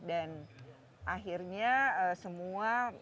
dan akhirnya semua